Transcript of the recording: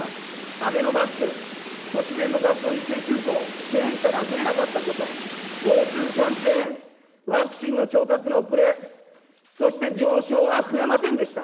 安倍のマスク、突然の学校一斉休校、検査が増えなかったこと、ＧｏＴｏキャンペーン、ワクチンの調達の遅れ、そして病床は増えませんでした。